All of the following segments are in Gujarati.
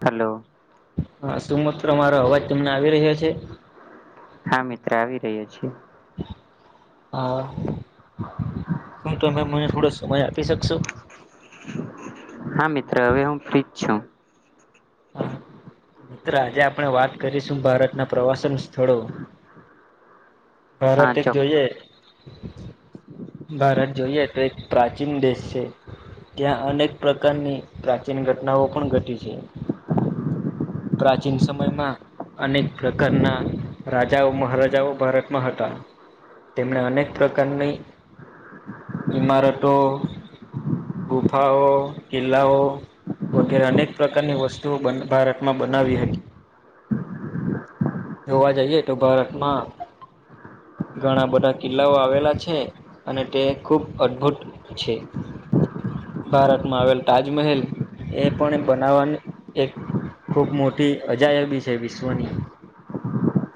હલો. હા શું મિત્ર મારો અવાજ તમને આવી રહ્યો છે. હા મિત્ર આવી રહ્યો છે. હા શું તો તમે મને થોડો સમય આપી શકશો હા મિત્ર હવે હું ફી જ છું હા મિત્ર આજે આપણે વાત કરીશું ભારતના પ્રવાસન સ્થળો હા ભારત એક ચોક જોઈએ ભારત જોઈએ તો એક પ્રાચીન દેશ છે. ત્યાં અનેક પ્રકારની પ્રાચીન ઘટનાઓ પણ ઘટી છે. પ્રાચીન સમયમાં અનેક પ્રકારના રાજાઓ મહારાજાઓ ભારતમાં હતા તેમણે અનેક પ્રકારની ઈમારતો ગુફાઓ કિલ્લાઓ વગેરે અનેક પ્રકારની વસ્તુ તો ભારતમાં બનાવી હતી જોવા જઈએ તો ભારત માં ઘણા બધા કિલ્લાઓ આવેલા છે અને તે ખૂબ અદભુત છે ભારતમાં આવેલ તાજમહેલ એ પણ બનાવાની એક ખૂબ મોટી અજાયબી છે વિશ્વની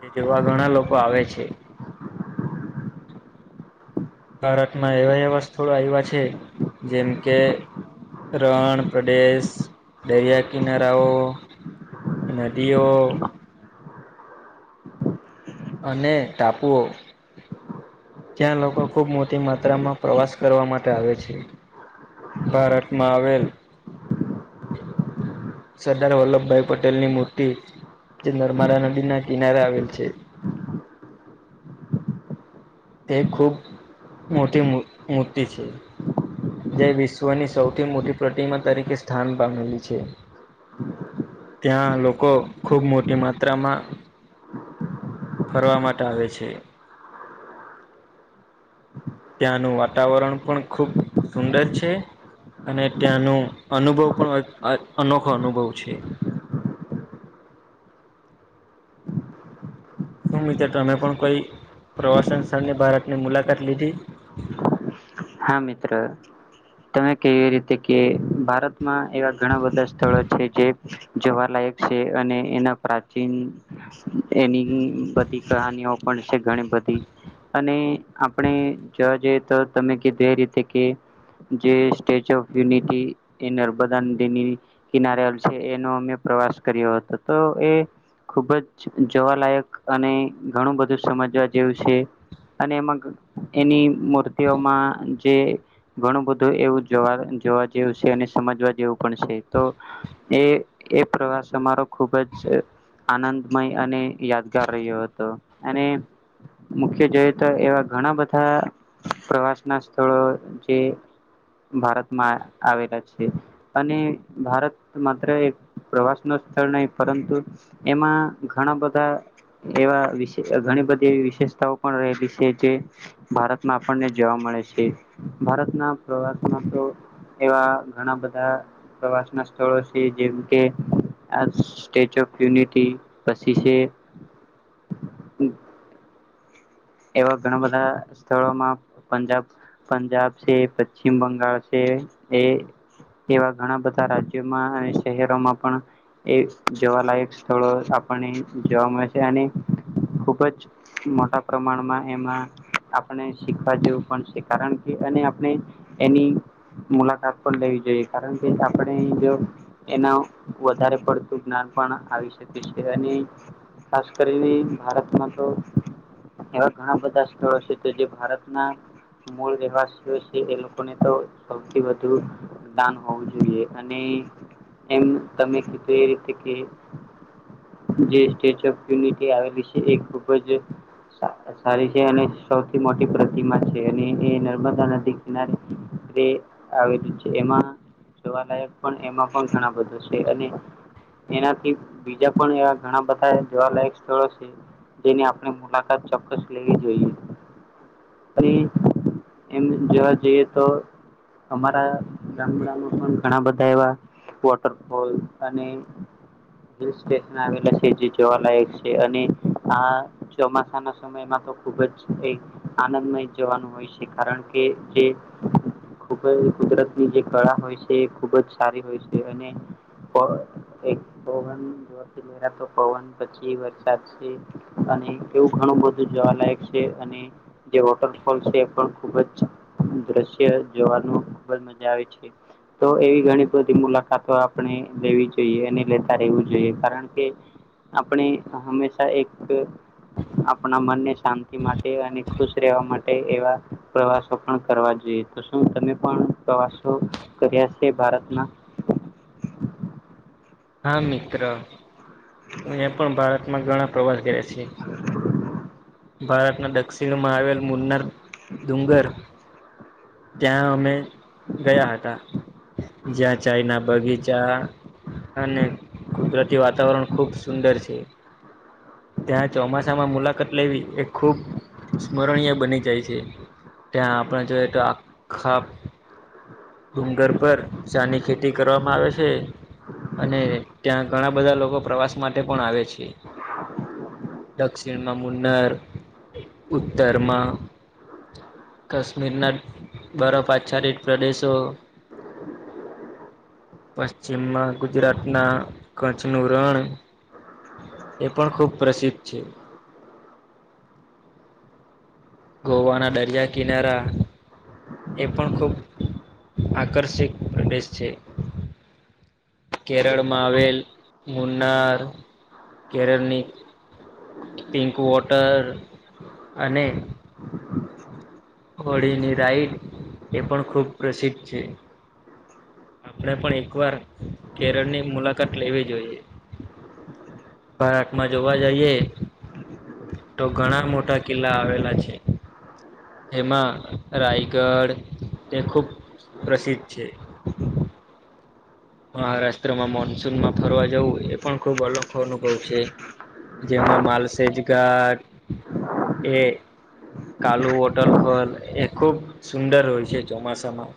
જે જોવા ઘણા લોકો આવે છે. ભારતમાં એવા એવા સ્થળો આવ્યા છે જેમ કે રણ પ્રદેશ દરિયા કિનારાઓ નદીઓ અને ટાપુઓ ત્યાં લોકો ખુબ મોટી માત્રામાં પ્રવાસ કરવા માટે આવે છે. ભારતમાં આવેલ સરદાર વલ્લભભાઈ પટેલ ની મૂર્તિ જે નર્મદા નદી ના કિનારે આવેલ છે. એ ખૂબ મોટી મૂર્તિ છે. જે વિશ્વની સૌથી મોટી પ્રતિમા તરીકે સ્થાન પામેલી છે. ત્યાં લોકો ખૂબ મોટી માત્રામાં ફરવા માટે આવે છે. ત્યાંનું વાતાવરણ પણ ખૂબ સુંદર છે અને ત્યાંનું અનુભવ પણ અ અ અનોખો અનુભવ છે શું મિત્રો તમે પણ કોઈ પ્રવાસન સ્થળની ભારતની મુલાકાત લીધી હા મિત્ર તમે કેવી રીતે કે ભારતમાં એવા ઘણા બધા સ્થળો છે જે જોવાલાયક છે અને એના પ્રાચીન એની બધી કહાનીઓ પણ છે ઘણી બધી અને આપણે જોવા જઈએ તો તમે કીધું એ રીતે કે જે સ્ટેચ્યુ ઓફ યુનિટી એ નર્મદા નદી ની કિનારે આવેલ છે એનો અમે પ્રવાસ કર્યો હતો તો એ ખુબ જ જોવાલાયક અને ઘણું બધું સમજવા જેવું છે. અને એમાં એની મૂર્તિઓમાં જે ઘણું બધું એવું જોવા જેવું છે અને સમજવા જેવું પણ છે તો એ એ પ્રવાસ અમારો ખુબ જ આનંદમય અને યાદગાર રહ્યો હતો અને મુખ્યત્ત્વે તો એવા ઘણા બધા પ્રવાસ ના સ્થળો જે ભારતમાં આવેલા છે. અને ભારત માત્ર એક પ્રવાસ નુ સ્થળ નહી પરંતુ એમાં ઘણા બધા એવા વિશે ઘણી બધી એવી વિશેષતાઓ પણ રહેલી છે જે ભારતમાં આપણને જોવા મળે છે ભારતના પ્રવાસમાં તો એવા ઘણા બધા પ્રવાસ ના સ્થળો છે જેમ કે આ સ્ટેચ્યુ ઓફ યુનિટી પછી છે. એવા ઘણા બધા સ્થળોમાં પંજાબ પંજાબ છે પશ્ચિમ બંગળ છે એ એવા ઘણા બધા રાજ્યોમાં અને શહેરોમાં પણ એ જોવાલાયક સ્થળો આપણને જોવા મળશે અને ખુબ જ મોટા પ્રમાણમાં એમાં આપણે શીખવા જેવું પણ છે કારણ કે અને આપણે એની મુલાકાત પણ લેવી જોઈએ કારણ કે આપણે જો એના વધારે પડતું જ્ઞાન પણ આવી શકે છે અને ખાસ કરીને ભારતમાં તો એવા ઘણા બધા સ્થળો છે તો જે ભારતના મૂળ રહેવાસીઓ છે એ લોકોને તો સૌથી વધુ દાન હોવું જોઈએ અને એમ તમે કીધું એ રીતે કે જે સ્ટેચ્યુ ઓફ યુનિટી આવેલી છે એ ખુબ જ સા સારી છે અને સૌથી મોટી પ્રતિમા છે અને એ નર્મદા નદી કિનારે એ આવેલું છે એમાં જોવાલાયક પણ એમાં પણ ઘણા બધૂ છે અને એનાથી બીજા પણ એવા ઘણા બધા જોવાલાયક સ્થળો છે જેની આપણે મુલાકાત કાત ચોક્કસ લેવી જોઈએ. [unintelligible] એમ જોવા જઈએ તો અમારા ગામડામાં પણ ઘણા બધા એવા વોટરફોલ અને હિલ સ્ટેશન આવેલા છે જે જોવાલાયક છે અને આ ચોમા ના સમયમાં તો ખુબ જ આનંદમય જવાનું હોય છે કારણ કે જે ખૂબ જ કુદરતની જે કળા હોય છે એ ખૂબ જ સારી હોય છે અને અ એક બોગન જો. તો પવન પછી વરસાદ છે અને એવું ઘણું બધું જોવાલાયક છે અને જે વોટરફોલ છે એ પણ ખુબ જ દ્રશ્ય જોવાનું ખુબ જ મજા આવે છે. તો એવી ઘણી બધી મુલાકાતો આપણે લેવી જોઈએ અને લેતા રહેવું જોઈએ કારણ કે આપણે હમેશા એક આપણા મનને શાંતિ માટે અને ખુશ રહેવા માટે એવા પ્રવાસો પણ કરવા જોઈએ. તો શું તમે પણ પ્રવાસો કર્યા છે ભારતના હા મિત્ર મેં પણ ભારતમાં ઘણા પ્રવાસ કર્યા છે ભારતના દક્ષિણમાં આવેલ મુન્નાર ડુંગર ત્યાં અમે ગયા હતા જ્યાં ચાયના બગીચા અને અને કુદરતી વાતાવરણ ખૂબ સુંદર છે ત્યાં ચોમાસામાં મુલાકાત લેવી એ ખૂબ સ્મરણીય બની જાય છે ત્યાં આપણે જોઈએ તો આખા ડુંગર પર ચાની ખેતી કરવામાં આવે છે. અને ત્યાં ઘણા બધા લોકો પ્રવાસ માટે પણ આવે છે. દક્ષિણમાં મુનર ઉત્તરમાં કશ્મીરના બરફ આચારિત પ્રદેશો પશ્ચિમ માં ગુજરાતના કચ્છનું રણ એ પણ ખુબ પ્રસિદ્ધ છે. ગોવાના દરિયા કિનારા એ પણ ખૂબ આકર્ષીક પ્રદેશ છે. કેરળમાં આવેલ મુનાર કેરળની પિંકવોટર અને હોળી ની રાઈટ એ પણ ખુબ પ્રસિદ્ધ છે. આપણે પણ એકવાર કેરળની મુલાકાત લેવી જોઈએ. ભારત માં જોવા જાઈએ તો ઘણા મોટા કિલ્લા આવેલા છે. એમાં રાયગઢ તે ખૂબ પ્રસિદ્ધ છે. મહારાષ્ટ્રમાં મોનસૂનમાં ફરવા જવું એ પણ ખુબ અનોખો અનુભવ છે. જેમાં માલસેજ ઘાટ એ કાલુ વોટરફોલ એ ખુબ સુંદર હોય છે ચોમાસામાં.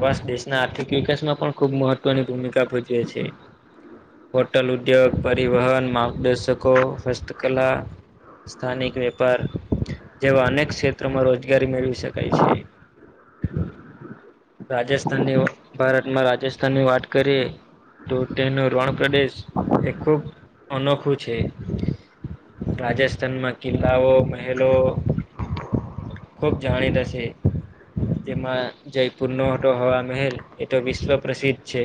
બસ [unintelligible] ના આર્થિક વિકાસમાં પણ ખુબ મહત્વની ભૂમિકા ભજવે છે. હોટલ ઉદ્યોગ, પરિવહન, માર્ગદર્શકો, હસ્તકલા સ્થાનિક વેપાર જેવા અનેક ક્ષેત્રોમાં રોજગારી મેળવી શકાય છે. રાજસ્થાનીઓ ભારતમાં રાજસ્થાનની વાત કરીએ તો તેનો રણ પ્રદેશ એ ખૂબ અનોખું છે. રાજસ્થાનમાં કિલ્લાઓ મહેલો ખુબ જાણીતા છે જેમાં જયપુર નો હવાનો મહેલ એ તો વિશ્વ પ્રસિદ્ધ છે.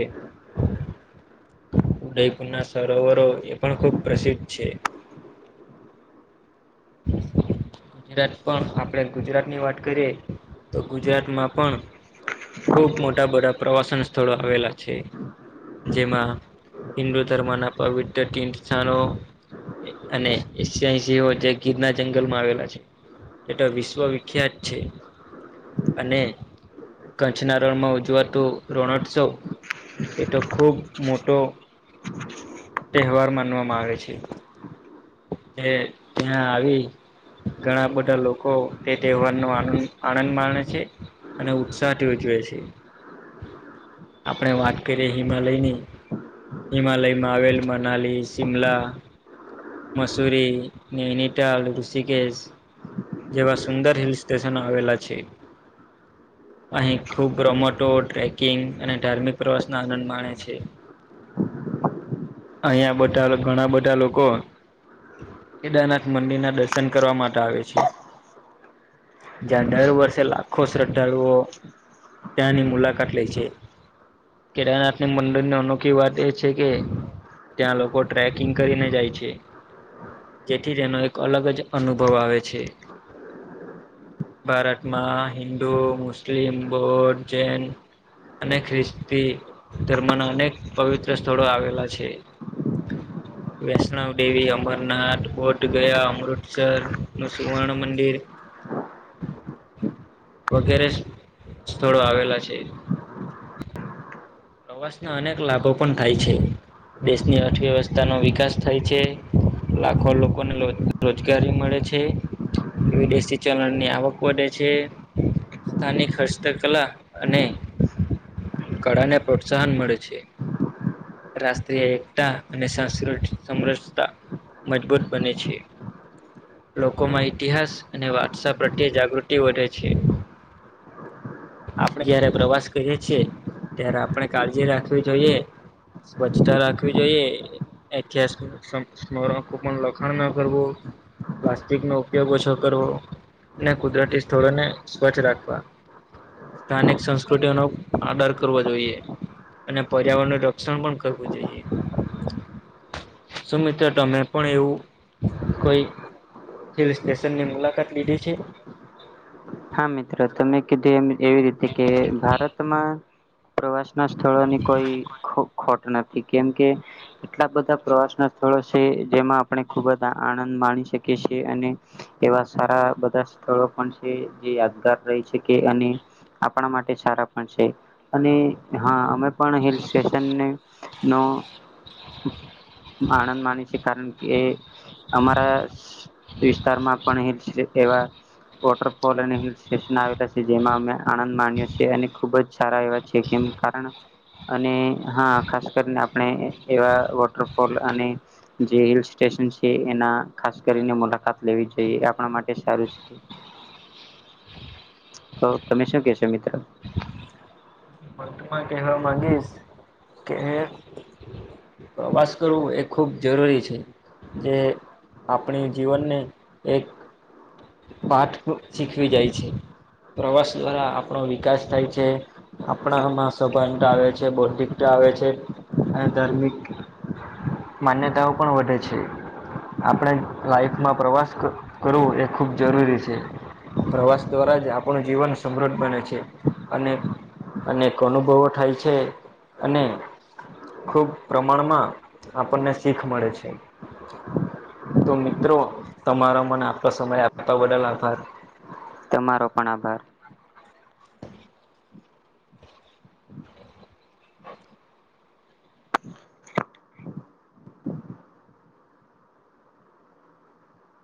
ઉદયપુર ના સરોવરો એ પણ ખુબ પ્રસિદ્ધ છે. [inaudible] ગુજરાત પણ આપણે ગુજરાત ની વાત કરીએ તો ગુજરાતમાં પણ ખુબ મોટા બધા પ્રવાસન સ્થળો આવેલા છે. જેમાં હિન્દુ ધર્મના પવિત્ર તીર્થ સ્થાનો અને એશિયાની જેવો જ એક ગીરના જંગલ માં આવેલા છે એતો વિશ્વ વિખ્યાત છે. અને કચ્છના રણમાં ઉજવાતો રણોત્સવ એ તો ખૂબ મોટો તહેવાર માનવામાં આવે છે. એ ત્યા આવી ઘણા બધા લોકો એ તહેવાર નો આનંદ આનંદ માણે છે. અને ઉત્સાહથી ઉજવે છે. આપણે વાત કરીએે હિમાલય ની હિમાલયમાં આવેલ મનાલી, શિમલા મસૂરી, નૈનીતાલ, ઋષિકેશ જેવા સુંદર હિલ સ્ટેશનો આવેલા છે. અહીં ખૂબ મોટો ટ્રેકિંગ અને ધાર્મિક પ્રવાસ ના આનંદ માણે છે. અહીંયા બધા ઘણા બધા લોકો કેદારનાથ મંદિર ના દર્શન કરવા માટે આવે છે. જ્યાં દર વર્ષે લાખો શ્રદ્ધાળુઓ ત્યાંની મુલાકાત લે છે. કેદારનાથના મંદિર ની અનોખી વાત એ છે કે ત્યાં લોકો ટ્રેકિંગ કરીને જાય છે. જેથી તેનો એક અલગ જ અનુભવ આવે છે. ભારતમાં હિન્દુ, મુસ્લિમ, બૌદ્ધ, જૈન અને ખ્રિસ્તી ધર્મના અનેક પવિત્ર સ્થળો આવેલા છે. વૈષ્ણવ દેવી હમ્મ. અમરનાથ, બોટ ગયા અમૃતસરનું સુવર્ણ મંદિર વગેરે સ્થળો આવેલા છે. પ્રવાસના અનેક લાભો પણ થાય છે દેશની અર્થવ્યવસ્થાનો વિકાસ થાય છે લાખો લોકોને લો રોજગારી મળે છે વિદેશી ચલણની આવક વધે છે. સ્થાનિક હસ્તકલા અને કળાને પ્રોત્સાહન મળે છે. રાષ્ટ્રીય એકતા અને સાસ્કૃત સમરસતા મજબૂત બને છે. લોકોમાં ઇતિહાસ અને વારસા પ્રત્યે જાગૃતિ વધે છે. આપડે જયારે પ્રવાસ કરીએ છીએ ત્યારે આપણે કાળજી રાખવી જોઈએ. સ્વચ્છતા રાખવી જોઈએ. ઐતિહાસિક સ્મ સ્મરકો પર લખાણ ના કરવું પ્લાસ્ટિકનો ઉપયોગ ઓછો કરવો ને કુદરતી સ્થળોને સ્વચ્છ રાખવા સ્થાનિક સંસ્કૃતિઓનો આદર કરવો જોઈએ અને પર્યાવરણનું રક્ષણ પણ કરવું જોઈએ. શું મિત્ર તમે પણ એવું કઈ હિલ સ્ટેશનની મુલાકાત લીધી છે? હા મિત્ર, તમે કીધું એમ એવી રીતે કે ભારતમાં પ્રવાસના સ્થળોની કોઈ ખોટ નથી કેમ કે એટલા બધા પ્રવાસના સ્થળો છે જેમાં આપણે ખુબ જ આનંદ માણી શકીએ છીએ અને એવા સારા બધા સ્થળો પણ છે જે યાદગાર રઈ છે કે અને આપણા માટે સારા પણ છે, અને હા અમે પણ હિલ સ્ટેશનની નો આનંદ માને છે કારણ કે, અમારા વિસ્તારમાં પણ હિલ્સ એવા વોટર ફોલ અને હિલ સ્ટેશન આવેલા છે, જેમાં અમે આનંદ માણીયે છીએ અને ખુબ જ સારા એવા છે કેમ કારણ અને હા, ખાસ કરીને આપણે એવા વોટરફોલ અને જે હિલ સ્ટેશન છે એના ખાસ કરીને મુલાકાત લેવી જોઈએ, આપણા માટે સારું છે. તો તમે શું કેશો મિત્ર? [unintelligible] કેહવા માગીસ કે પ્રવાસ કરવું એ ખુબ જરૂરી છે, જે આપણે જીવનને એક પાઠ શીખવી જાય છે, પ્રવાસ દ્વારા આપણો વિકાસ થાય છે આપણામાં સભાનતા આવે છે, બૌદ્ધિકતા આવે છે, અને ધાર્મિક માન્યતાઓ પણ વધે છે. આપણે લાઈફમાં પ્રવાસ કરવો એ ખૂબ જરૂરી છે. પ્રવાસ દ્વારા જ આપણું જીવન સમૃદ્ધ બને છે, અને અનેક અનુભવો થાય છે અને ખુબ પ્રમાણમાં આપણને શીખ મળે છે. તો મિત્રો, તમારો મને આટલો સમયે આપવા બદલ આભાર. તમારો પણ આભાર.